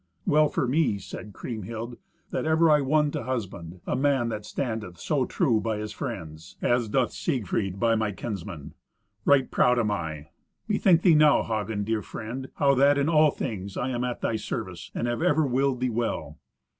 "Well for me," said Kriemhild, "that ever I won to husband a man that standeth so true by his friends, as doth Siegfried by my kinsmen. Right proud am I. Bethink thee now, Hagen, dear friend, how that in all things I am at thy service, and have ever willed thee well.